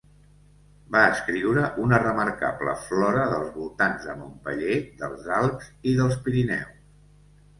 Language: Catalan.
Va escriure una remarcable Flora dels voltants de Montpeller, dels Alps i dels Pirineus.